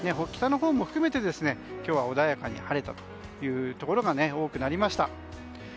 北のほうも含めて今日は穏やかに晴れたというところが多くなりました。